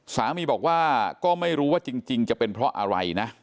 สามีบอกว่าก็ไม่รู้ว่าจริงจะเป็นเพราะอะไรนะ